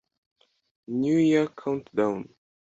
New Year Countdown